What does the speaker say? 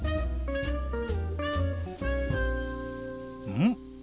うん？